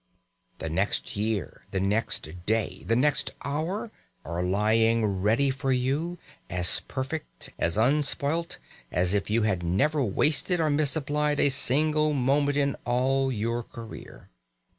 The next year, the next day, the next hour are lying ready for you, as perfect, as unspoilt, as if you had never wasted or misapplied a single moment in all your career.